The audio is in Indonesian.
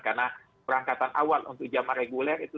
karena perangkatan awal untuk jama reguler